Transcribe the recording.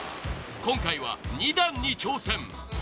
今回は２段に挑戦。